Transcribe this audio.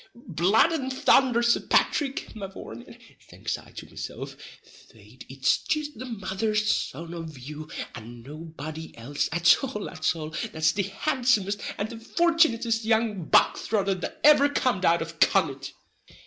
"Blood and thunder, Sir Pathrick, mavourneen," thinks I to mesilf, "fait it's jist the mother's son of you, and nobody else at all at all, that's the handsomest and the fortunittest young bog throtter that ever cum'd out of Connaught!"